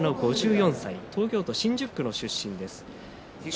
湊部屋の５４歳東京都新宿区の出身です。